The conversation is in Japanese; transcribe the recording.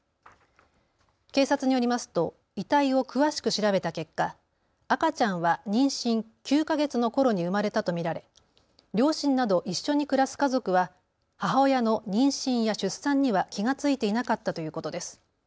警察によりますと遺体を詳しく調べた結果、赤ちゃんは妊娠９か月のころに産まれたと見られ両親など一緒に暮らす家族は母親の妊娠や出産には気が付いていなかったということです。